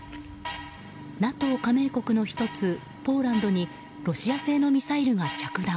加盟国の１つポーランドにロシア製のミサイルが着弾。